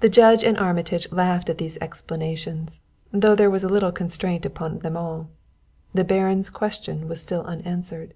The Judge and Armitage laughed at these explanations, though there was a little constraint upon them all. The Baron's question was still unanswered.